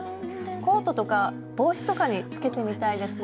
コートとか帽子とかにつけてみたいですね。